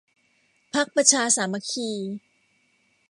พรรคประชาสามัคคี